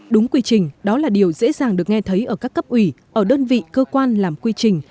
đúng quy trình đó là điều dễ dàng được nghe thấy ở các cấp ủy ở đơn vị cơ quan làm quy trình